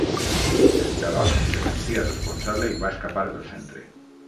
El Jarod se sentia responsable i va escapar del Centre.